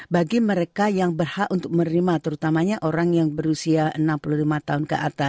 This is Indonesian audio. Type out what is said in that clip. bagi mereka yang berhak untuk menerima terutamanya orang yang berusia enam puluh lima tahun ke atas